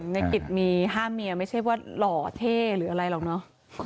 ในกิจมี๕เมียไม่ใช่ว่าหล่อเท่หรืออะไรหรอกเนอะ